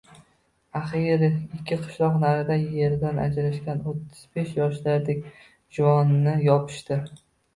Axiyri ikki qishloq naridan eridan ajrashgan o`ttiz besh yoshlardagi juvonni topishdi